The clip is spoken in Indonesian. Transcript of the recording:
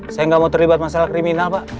saya nggak mau terlibat masalah kriminal pak